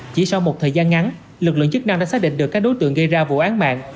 chỉ sau một thời gian ngắn lực lượng chức năng đã xác định được các đối tượng gây ra vụ án mạng